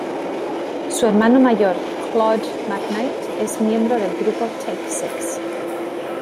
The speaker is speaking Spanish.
Su hermano mayor, Claude McKnight, es miembro del grupo Take Six.